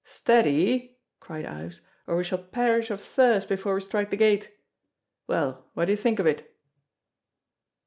"Steady!" cried Ives, "or we shall perish of thirst before we strike the gate. Well, what do you think of it?"